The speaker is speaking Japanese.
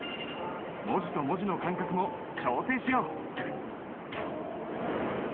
文字と文字の間隔も調整しよう！